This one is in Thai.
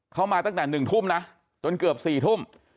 เข้ามาตั้งแต่หนึ่งทุ่มนะจนเกือบสี่ทุ่ม